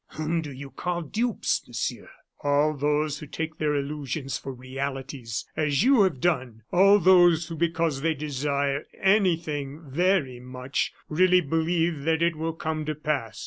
"Whom do you call dupes, Monsieur?" "All those who take their illusions for realities, as you have done; all those who, because they desire anything very much, really believe that it will come to pass.